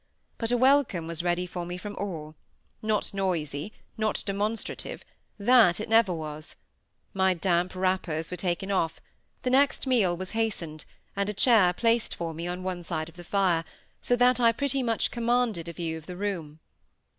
But a welcome was ready for me from all; not noisy, not demonstrative—that it never was; my damp wrappers were taken off; the next meal was hastened, and a chair placed for me on one side of the fire, so that I pretty much commanded a view of the room.